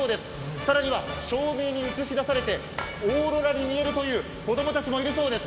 更には照明に映し出されてオーロラに見える子供たちもいるそうです。